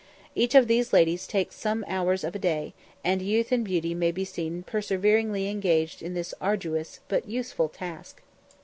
Each of these ladies takes some hours of a day, and youth and beauty may be seen perseveringly engaged in this arduous but useful task.